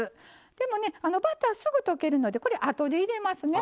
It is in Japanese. でもバターすぐ溶けるのでこれあとで入れますね。